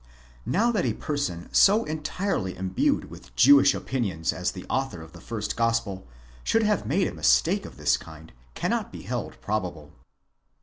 Now that a person so entirely imbued with Jewish opinions as the author of the first Gospel, should have made a mistake of this kind, cannot be held probable.